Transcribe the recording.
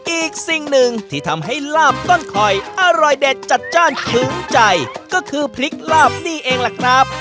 อีกสิ่งหนึ่งที่ทำให้ลาบต้นคอยอร่อยเด็ดจัดจ้านถึงใจก็คือพริกลาบนี่เองล่ะครับ